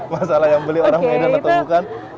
masalah yang beli orang medan atau bukan